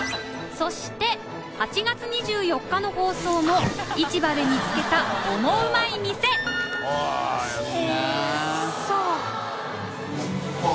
そして８月２４日の放送も市場で見つけたオモウマい店おっ！